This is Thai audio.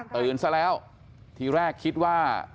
ตื่นซะแล้วที่แรกคิดว่า